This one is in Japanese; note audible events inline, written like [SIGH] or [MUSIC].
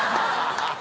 ハハハ [LAUGHS]